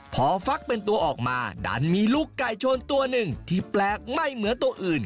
พอฟักเป็นตัวออกมาดันมีลูกไก่ชนตัวหนึ่งที่แปลกไม่เหมือนตัวอื่น